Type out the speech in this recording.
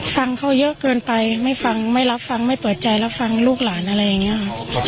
ฟังเขาเยอะเกินไปไม่ฟังไม่รับฟังไม่เปิดใจรับฟังลูกหลานอะไรอย่างนี้ค่ะ